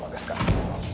どうぞ。